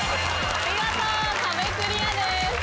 見事壁クリアです。